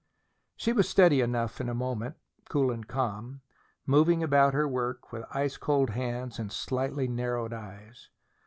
She was steady enough in a moment, cool and calm, moving about her work with ice cold hands and slightly narrowed eyes.